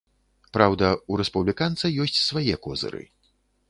Праўда, у рэспубліканца ёсць свае козыры.